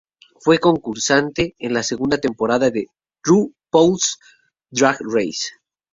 Fue concursante en la segunda temporada de "RuPaul's Drag Race".